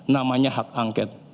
namanya hak angket